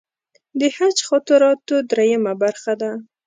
د حج خاطراتو درېیمه برخه ده.